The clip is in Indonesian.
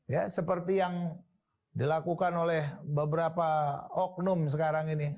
ya seperti yang dilakukan oleh beberapa oknum sekarang ini